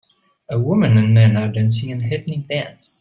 A woman and man are dancing an ethnic dance.